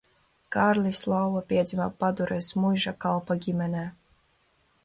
Kārlis Lauva piedzima Padures muižā kalpa ģimenē.